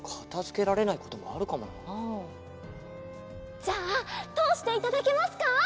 じゃあとおしていただけますか？